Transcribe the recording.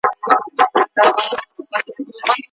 ولي هوډمن سړی د هوښیار انسان په پرتله لاره اسانه کوي؟